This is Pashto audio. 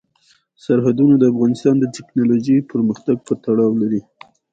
سرحدونه د افغانستان د تکنالوژۍ پرمختګ سره تړاو لري.